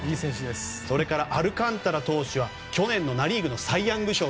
それからアルカンタラ投手は去年のナ・リーグのサイ・ヤング賞投手。